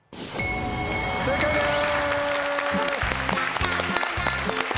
正解です。